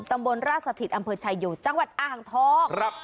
ตำบลราชสถิตอำเภอชายโยจังหวัดอ่างทอง